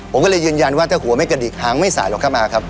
ผมก็เลยยืนยันว่าถ้าหัวไม่กระดิกหางไม่สายหรอกเข้ามาครับ